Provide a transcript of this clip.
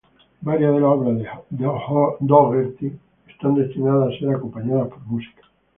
Varias de las obras de Doherty están destinadas a ser acompañadas por música.